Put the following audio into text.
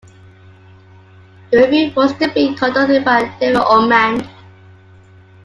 The review was to be conducted by David Omand.